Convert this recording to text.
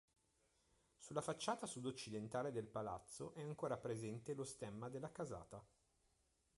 Sulla facciata sud occidentale del palazzo è ancora presente lo stemma della casata.